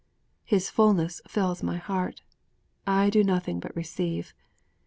'His fullness fills my heart!' '_I do nothing but receive!